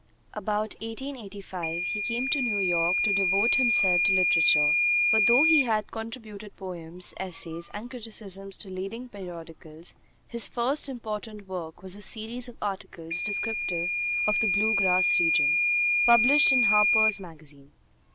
About 1885 he came to New York to devote himself to literature; for though he had contributed poems, essays, and criticisms to leading periodicals, his first important work was a series of articles descriptive of the "Blue Grass Region," published in Harper's Magazine.